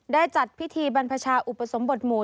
จัดพิธีบรรพชาอุปสมบทหมู่